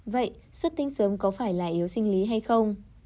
vậy xuất tinh sớm có phải là yếu sinh lý hay không